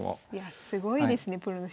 すごいですねプロの将棋。